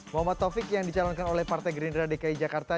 muhammad taufik yang dicalonkan oleh partai gerindra dki jakarta